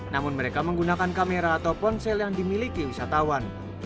namun mereka menggunakan kamera atau ponsel yang dimiliki wisatawan